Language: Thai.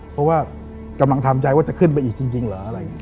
เพราะว่ากำลังทำใจว่าจะขึ้นไปอีกจริงเหรอ